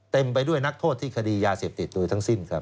ไปด้วยนักโทษที่คดียาเสพติดโดยทั้งสิ้นครับ